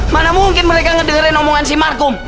mana mungkin mereka ngedengerin omongan si markum